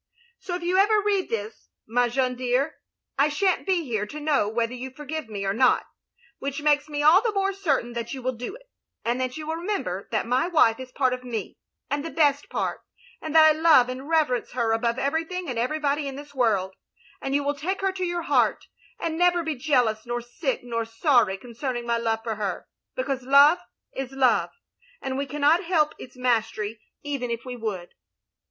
"So if you ever read this, my Jeanne dear, I shan't be here to know whether you forgive me or not, which makes me all the more certain that you will do it — and that you will remember that my wife is part of me, and the best part; and that I love and reverence her above everything and everybody in this world; and you will take her to your heart, and never be jealous nor sick nor sorry concerning my love for her; because Love is Love, and we cannot help its mastery even if we would.